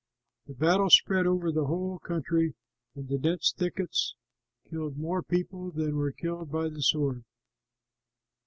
The battle spread over the whole country; and the dense thickets killed more people than were killed by the sword.